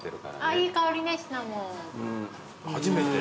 いい香りねシナモン。